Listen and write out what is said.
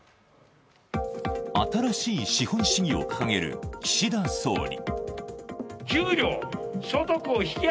新しい資本主義を掲げる岸田総理。